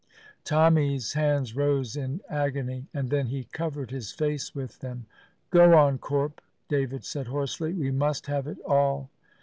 Tommy's hands rose in agony, and then he covered his face with them. "Go on, Corp," David said hoarsely; "we must have it all."